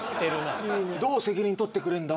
どう責任とってくれんだ？